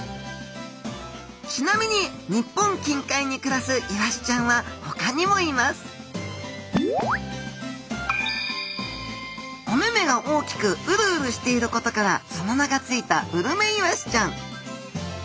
ちなみに日本近海に暮らすイワシちゃんはほかにもいますお目々が大きくウルウルしていることからその名が付いたウルメイワシちゃん。